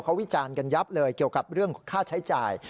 เขาวิจารณ์กันยับเลยเกี่ยวกับเรื่องค่าใช้จ่าย